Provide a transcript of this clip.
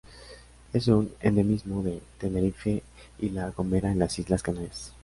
Es un endemismo de Tenerife y La Gomera en las Islas Canarias.